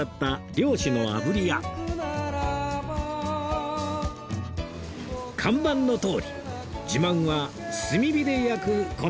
看板のとおり自慢は炭火で焼くこの魚の炙り